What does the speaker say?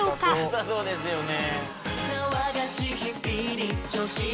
なさそうですよね。